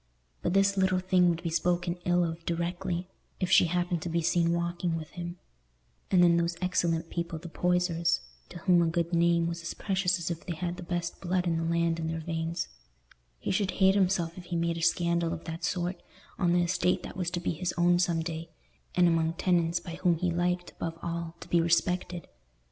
But this little thing would be spoken ill of directly, if she happened to be seen walking with him; and then those excellent people, the Poysers, to whom a good name was as precious as if they had the best blood in the land in their veins—he should hate himself if he made a scandal of that sort, on the estate that was to be his own some day, and among tenants by whom he liked, above all, to be respected.